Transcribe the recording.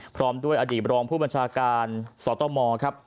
พร้อมด้วยอดีตรองผู้บัญชาการสตมครับ